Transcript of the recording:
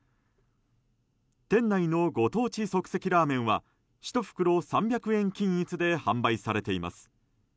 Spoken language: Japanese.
店内のご当地即席ラーメンは１袋３００円均一で販売されています。